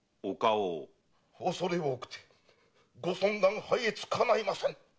おそれ多くてご尊顔拝謁かないません。